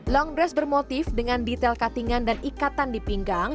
long dress bermotif dengan detail cuttingan dan ikatan di pinggang